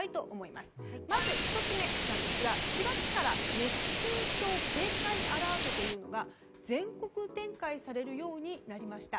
まず１つ目、４月から熱中症警戒アラートというのが全国展開されるようになりました。